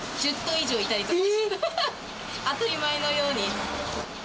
当たり前のように。